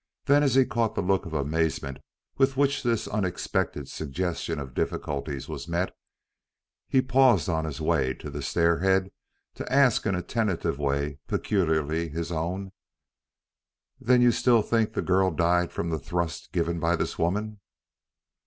Then as he caught the look of amazement with which this unexpected suggestion of difficulties was met, he paused on his way to the stair head to ask in a tentative way peculiarly his own: "Then you still think the girl died from a thrust given by this woman?"